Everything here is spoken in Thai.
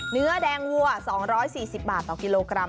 เนื้อแดงวัว๒๔๐บาทต่อกิโลกรัม